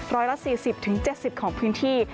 ร้อยละ๔๐๗๐ของพื้นที่